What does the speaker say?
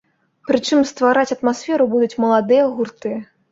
Прычым ствараць атмасферу будуць маладыя гурты.